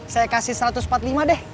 saya kasih satu ratus empat puluh lima deh